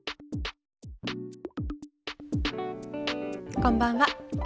こんばんは。